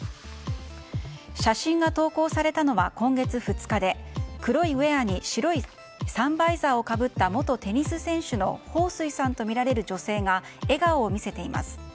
写真が投稿されたのは今月２日で黒いウェアに白いサンバイザーをかぶった元テニス選手のホウ・スイさんとみられる女性が笑顔を見せています。